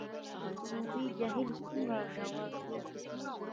د سروبي جهیل څومره ژور دی؟